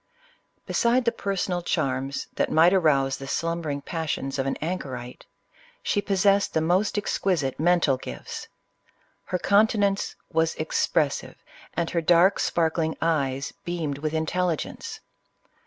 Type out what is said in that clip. Beside the personal charms that might arouse the slumbering passions of an anchorite, she possessed the most exquisite mental gifts. Iler countenance was expressive, and her durk sparkling eyes beamed with intelligence.